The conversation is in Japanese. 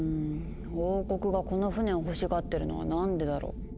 王国がこの船を欲しがってるのは何でだろう？